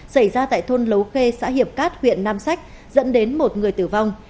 xảy ra tại thôn lấu khê xã hiệp cát huyện nam sách dẫn đến một người tử vong